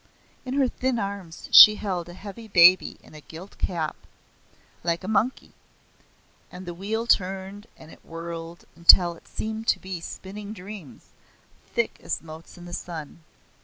In her thin arms she held a heavy baby in a gilt cap, like a monkey. And the wheel turned and whirled until it seemed to be spinning dreams, thick as motes in the sun.